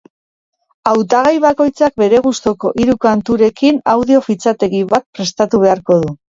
Hautagai bakoitzak bere gustuko hiru kanturekin audio fitxategi bat prestatu beharko du.